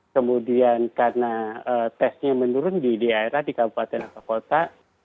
kemudian karena tesnya menurun di daerah di kabupaten atau kota